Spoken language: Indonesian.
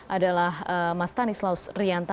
adalah mas tanis lausrianta